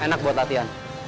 enak buat latihan